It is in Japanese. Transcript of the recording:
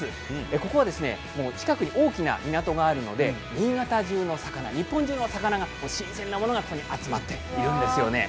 ここは近くに大きな港があるので新潟中の魚、日本中の魚新鮮なものがここに集まっているんですよ。